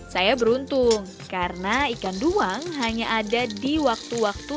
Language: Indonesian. saya beruntung karena ikan duang hanya ada di waktu waktu